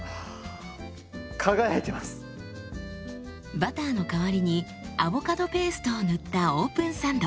バターの代わりにアボカドペーストを塗ったオープンサンド。